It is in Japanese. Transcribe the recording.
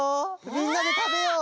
みんなでたべよう！